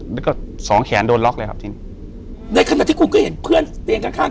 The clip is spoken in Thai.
แล้วก็สองแขนโดนล็อกเลยครับทิ้งในขณะที่คุณก็เห็นเพื่อนเตียงข้างข้าง